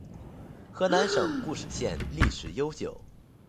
河南省固始县历史悠久